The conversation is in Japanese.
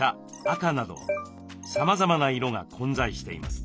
赤などさまざまな色が混在しています。